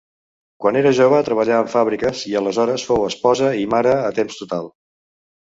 Quan era jove treballà en fàbriques i aleshores fou esposa i mare a temps total.